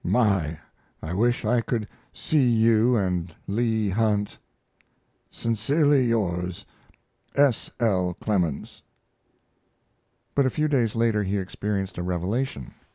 My, I wish I could see you & Leigh Hunt! Sincerely yours, S. L. CLEMENS. But a few days later he experienced a revelation.